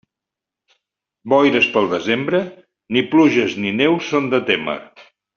Boires pel desembre, ni pluges ni neus són de témer.